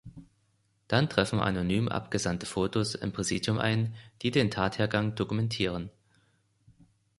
Dann treffen anonym abgesandte Fotos im Präsidium ein, die den Tathergang dokumentieren.